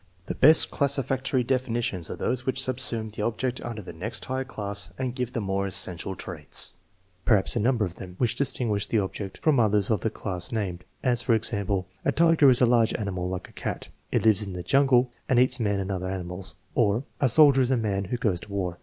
The best classificatory definitions are those which subsume the object under the nest higher class and give the more es sential traits (perhaps a number of them) which distinguish the object from others of the class named; as, for example, " A tiger is a large animal like a cat; it lives in the jungle and eats men and other animals," or, *' A soldier is a man who goes to war."